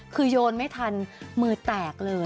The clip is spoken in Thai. คือโยนไม่ทันมือแตกเลย